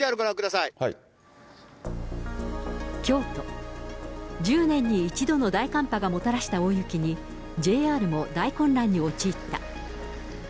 京都、１０年に一度の大寒波がもたらした大雪に、ＪＲも大混乱に陥った。